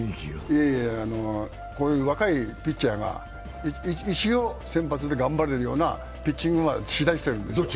こういう若いピッチャーが一応、先発で頑張れるようなピッチングをしだしてるんですよ